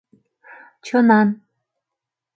Чонан!